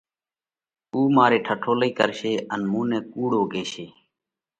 اُو مارئِي ٺٺولئِي ڪرشي ان مُون نئہ ڪُوڙو ڪيشي۔